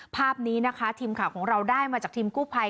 ภาพนี้นะคะทีมข่าวของเราได้มาจากทีมกู้ภัย